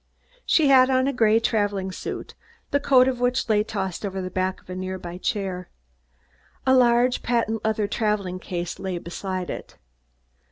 She had on a gray traveling suit, the coat of which lay tossed over the back of a near by chair. A large patent leather traveling case lay beside it.